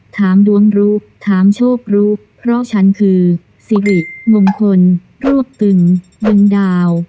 ถามดวงรู้ถามโชครู้เพราะฉันคือสิริมงคลรวบตึงดึงดาว